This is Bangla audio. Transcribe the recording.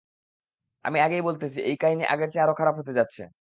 আমি আগেই বলতেছি এই কাহিনি আগের চেয়ে আরো খারাপ হতে যাচ্ছে।